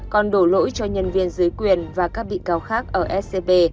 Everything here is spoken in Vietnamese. còn đổ lỗi cho nhân viên dưới quyền và các bị cáo khác ở scb